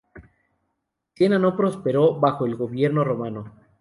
Siena no prosperó bajo el gobierno romano.